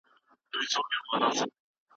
که شاګرد خپلواکي ولري نو ښه څېړنه کولای سي.